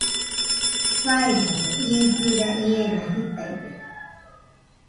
Faiñaño, ie jira iena jitaide